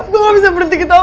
gue gak bisa berhenti gitu